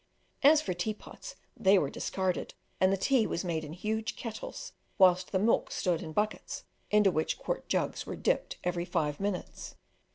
As for teapots, they were discarded, and the tea was made in huge kettles, whilst the milk stood in buckets, into which quart jugs were dipped every five minutes.